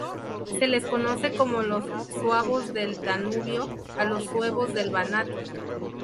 Se les conoce como los "suabos del Danubio" o los ""suevos del Banato"".